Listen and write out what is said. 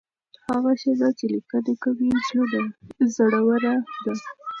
هغه ښځه چې لیکنې کوي زړوره ده.